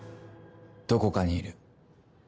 どこかにいる。